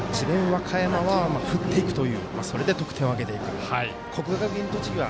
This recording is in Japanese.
和歌山は振っていくというそれで得点を挙げていくという。